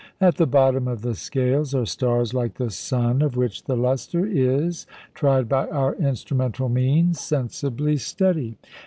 At the bottom of the scales are stars like the sun, of which the lustre is tried by our instrumental means sensibly steady.